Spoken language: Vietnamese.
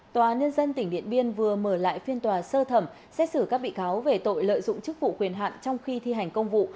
tòa nhân dân tỉnh điện biên vừa mở lại phiên tòa sơ thẩm xét xử các bị cáo về tội lợi dụng chức vụ quyền hạn trong khi thi hành công vụ